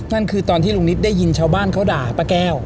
นั่นคือตอนที่ลุงนิดได้ยินชาวบ้านเขาด่าป้าแก้ว